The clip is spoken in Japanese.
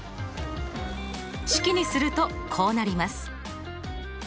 式にするとこうなります。